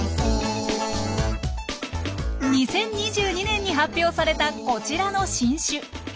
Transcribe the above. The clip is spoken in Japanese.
２０２２年に発表されたこちらの新種。